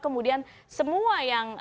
kemudian semua yang eh